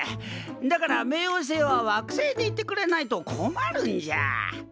だから冥王星は惑星でいてくれないと困るんじゃ。